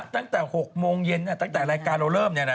ตั้งแต่๖โมงเย็นแล้วกลายรายการเราเริ่มนี่ละนะฮะ